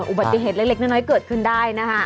อุบัติเหตุเล็กน้อยเกิดขึ้นได้นะคะ